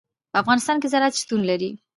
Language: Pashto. په افغانستان کې زراعت شتون لري.